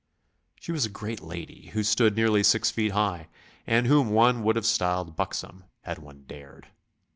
She was a great lady, who stood nearly six foot high, and whom one would have styled buxom, had one dared.